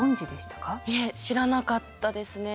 いえ知らなかったですね。